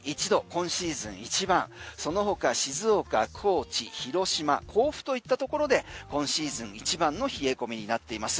今シーズン一番その他、静岡、高知、広島甲府といったところで今シーズン一番の冷え込みになっています。